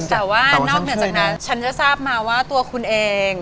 แต่ว่านอกเหนือจากนั้นฉันจะทราบมาว่าตัวคุณเอง